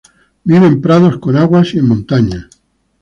Vive en prados con agua y en montañas.